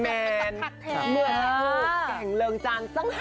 โปรดติดตามต่อไป